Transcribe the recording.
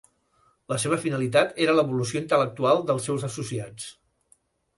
La seva finalitat era l'evolució intel·lectual dels seus associats.